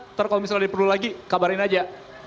nanti kalau misalnya diperlu lagi kabarin aja